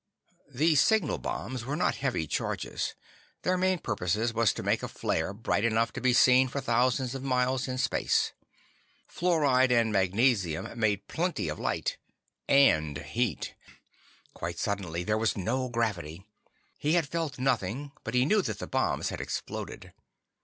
The signal bombs were not heavy charges; their main purposes was to make a flare bright enough to be seen for thousands of miles in space. Fluorine and magnesium made plenty of light—and heat. Quite suddenly, there was no gravity. He had felt nothing, but he knew that the bombs had exploded.